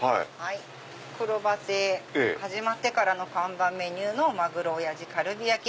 くろば亭始まってからの看板メニューの「まぐろ親父カルビ焼き」。